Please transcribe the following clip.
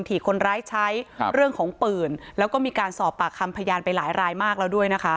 ที่คนร้ายใช้ครับเรื่องของปืนแล้วก็มีการสอบปากคำพยานไปหลายรายมากแล้วด้วยนะคะ